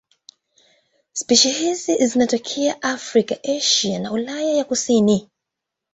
Spishi hizi zinatokea Afrika, Asia na Ulaya ya kusini.